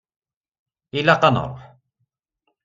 Ilaq ad nruḥ.